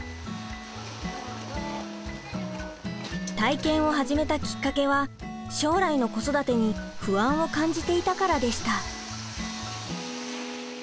体験を始めたきっかけは将来の子育てに不安を感じていたからでした。